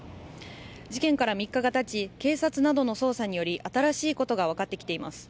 事件から３日がたち警察などの捜査により新しいことがわかってきています。